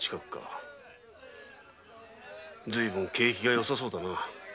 ずいぶん景気がよさそうだな。